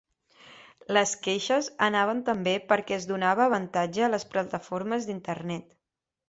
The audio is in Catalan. Les queixes anaven també perquè es donava avantatge a les plataformes d’internet.